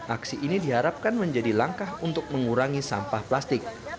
aksi ini diharapkan menjadi langkah untuk mengurangi sampah plastik